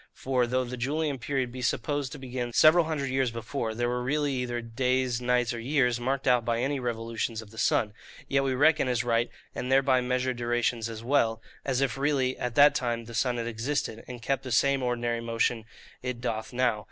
For, though the Julian period be supposed to begin several hundred years before there were really either days, nights, or years, marked out by any revolutions of the sun,—yet we reckon as right, and thereby measure durations as well, as if really at that time the sun had existed, and kept the same ordinary motion it doth now.